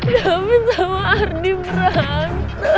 daven sama ardi berantem